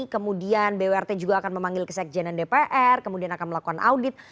kemudian bwrt juga akan memanggil ke sekjen dan dpr kemudian akan melakukan audit